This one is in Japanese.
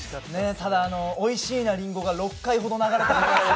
ただ、おいしいな林檎が６回ほど流れて。